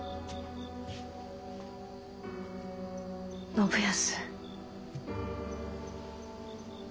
信康。